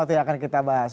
waktu yang akan kita bahas